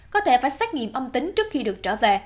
có thể phải xét nghiệm âm tính trước khi được trở về